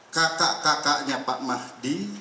kakak kakaknya pak mahdi